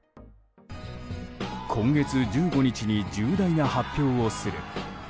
今月１５日に重大な発表をする。